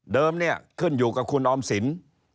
เดิมเนี่ยขึ้นอยู่กับคุณออมศิลป์